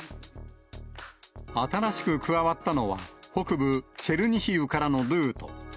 新しく加わったのは、北部チェルニヒウからのルート。